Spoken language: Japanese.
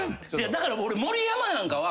だから俺盛山なんかは。